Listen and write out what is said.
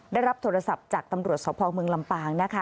ได้รับโทรศัพท์จากตำรวจสพเมืองลำปางนะคะ